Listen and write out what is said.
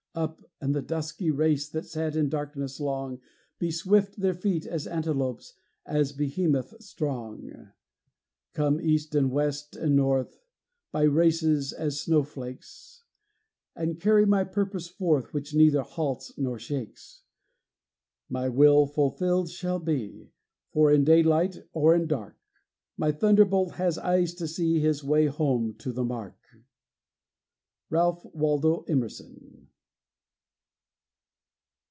Up! and the dusky race That sat in darkness long, Be swift their feet as antelopes, And as behemoth strong. Come, East and West and North, By races, as snowflakes, And carry my purpose forth, Which neither halts nor shakes. My will fulfilled shall be, For, in daylight or in dark, My thunderbolt has eyes to see His way home to the mark. RALPH WALDO EMERSON.